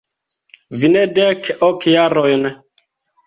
Vi ne dek ok jarojn.